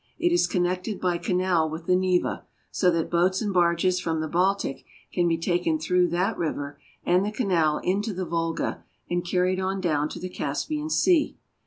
It is connected by canal with the Neva, so that boats and barges from the Baltic can be taken through that river and the canal into the Volga, and carried on down to the Caspian Sea.